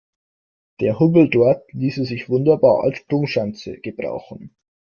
Der Hubbel dort ließe sich wunderbar als Sprungschanze gebrauchen.